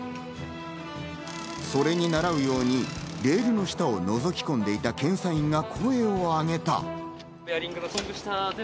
それに習うようにレールの下を覗き込んでいた検査員が声を上げた。